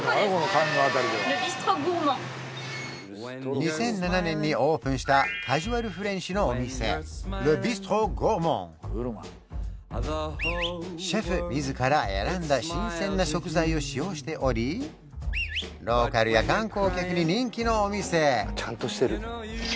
２００７年にオープンしたカジュアルフレンチのお店シェフ自ら選んだ新鮮な食材を使用しておりローカルや観光客に人気のお店おすすめメニューは